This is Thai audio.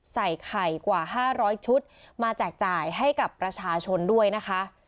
ใส่ไข่กว่า๕๐๐ชุดมาแจกจ่ายให้กับประชาชนด้วยนะคะ